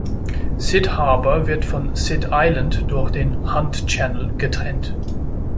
Cid Harbour wird von Cid Island durch den Hunt Channel getrennt.